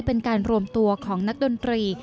เป็นการรวมตัวของนักดนตรี